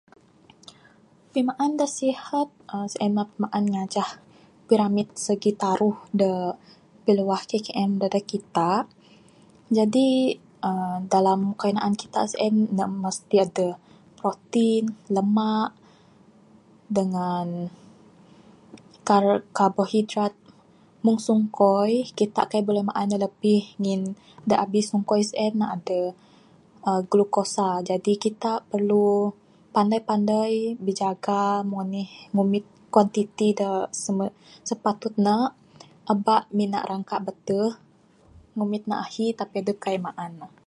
Pimaan da sihat uhh sien mah pimaan ngajah piramid segi taruh da piluah KKM dadeg kita...jadi uhh dalam kayuh naan kita sien ne mesti adeh protein, lemak, dangan kar...karbohidrat...meng sungkoi kita kaii buleh maan ne labih ngin da abih sungkoi sien ne adeh uhh glukosa jadi kita perlu panai panai bijaga meng anih ngumit kuantiti da sipatut ne aba mina rangka bateh...ngumit ne ahi tapi adep kaii maan ne.